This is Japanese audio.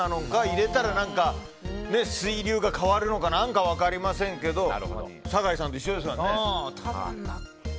入れたら何か水流が変わるのか何か分かりませんけど酒井さんと一緒ですからね。